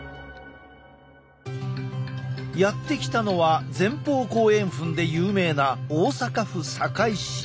やって来たのは前方後円墳で有名な大阪府堺市。